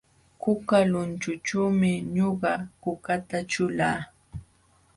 Kukalunkućhuumi ñuqa kukata ćhulaa.